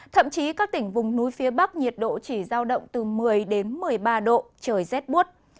thậm chí các tỉnh vùng núi phía bắc nhiệt độ chỉ giao động từ một mươi đến một mươi ba độ trời rét buốt